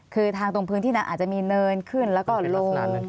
คือทางตรงพื้นที่นั้นอาจจะมีเนินขึ้นแล้วก็ลง